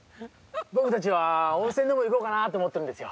僕たちは温泉でも行こうかなと思ってるんですよ。